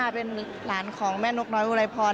เป็นหลานของแม่นกน้อยอุไรพร